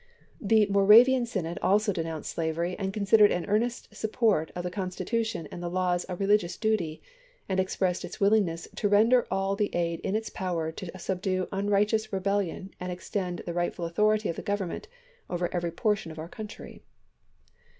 The Moravian Synod also denounced slavery and considered an earnest support of the Constitution and the laws a religious duty, and expressed its willingness " to render all the aid in its power to subdue unrighteous rebellion and extend the right ful authority of the Government over every portion of our country."